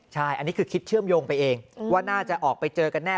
ใช่อันนี้คือคิดเชื่อมโยงไปเองว่าน่าจะออกไปเจอกันแน่